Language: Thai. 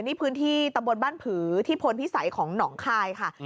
นี่พื้นที่ตำบลบ้านผือที่พลพิสัยของหนองคายค่ะ